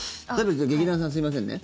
劇団さん、すいませんね。